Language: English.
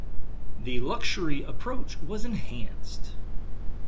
The luxury approach was enhanced.